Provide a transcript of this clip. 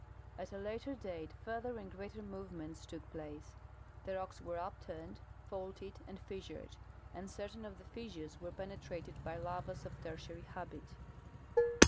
At a later date further and greater movements took place, the rocks were uj)turned, faulted, and fissured, and certain of the fissures Avere penetrated by lavas of Tertiary habit.